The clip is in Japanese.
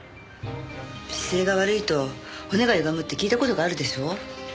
姿勢が悪いと骨がゆがむって聞いた事があるでしょ？